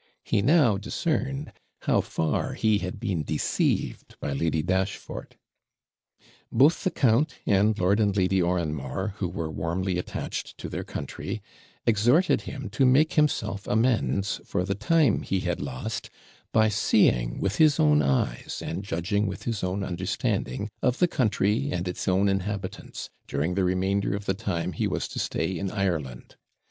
He now discerned how far he had been deceived by Lady Dashfort. Both the count, and Lord and Lady Oranmore, who were warmly attached to their country, exhorted him to make himself amends for the time he had lost, by seeing with his own eyes, and judging with his own understanding, of the country and its own inhabitants, during the remainder of the time he was to stay in Ireland.